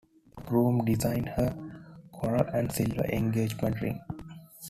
The groom designed her coral and silver engagement ring.